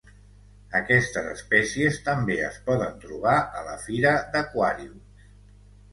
Aquestes espècies també es poden trobar a la fira d'aquàriums.